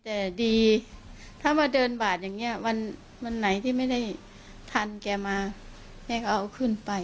แต่ดีถ้ามาเดินบาดอย่างนี้วันไหนที่ไม่ได้ทันแกมาแกก็เอาขึ้นไป